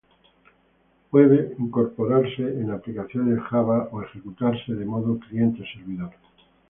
Puede ser incorporado en aplicaciones Java o ejecutarse de modo cliente-servidor.